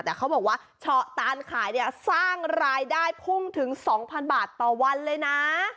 แต่เขาบอกว่าเฉาะตานขายเนี่ยสร้างรายได้พุ่งถึง๒๐๐บาทต่อวันเลยนะ